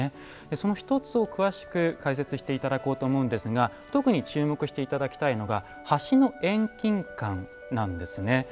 その一つを詳しく解説して頂こうと思うんですが特に注目して頂きたいのが橋の遠近感なんですね。